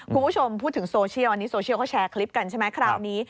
คุณผู้ชมพูดถึงโซเชียลอันนี้โซเชียลเขาแชร์คลิปกันใช่ไหมคราวนี้